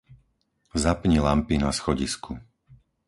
Zapni lampy na schodisku.